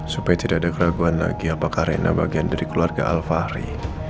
supaya tidak ada keraguan lagi apakah rena bagian dari keluarga alfahri